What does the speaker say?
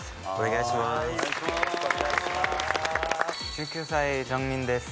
１９歳ジョンミンです。